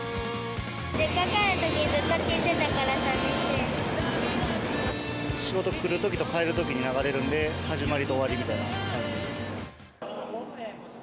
実家に帰るときにずっと聴い仕事来るときと帰るときに流れるんで、始まりと終わりみたいな感じですよね。